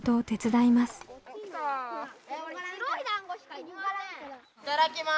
いただきます。